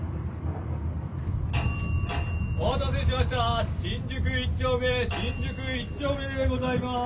お待たせしました新宿一丁目新宿一丁目でございます。